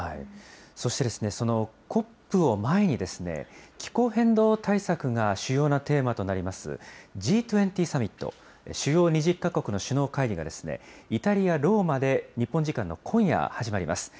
そして、そのＣＯＰを前に、気候変動対策が主要なテーマとなります、Ｇ２０サミット・主要２０か国の首脳会議がイタリア・ローマで日本時間の今夜、始まります。